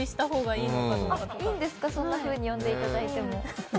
いいんですか、そんなふうに呼んでいただいても。